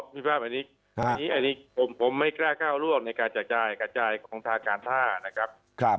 อ๋อมีภาพอันนี้อันนี้ผมไม่แกล้าเข้าร่วมในการจากจ่ายจากจ่ายของทางการท่านะครับ